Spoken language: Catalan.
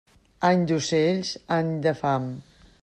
Any d'ocells, any de fam.